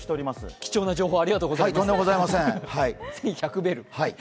貴重な情報ありがとうございます、１１００ベル。